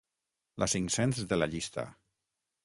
La cinc-cents de la llista.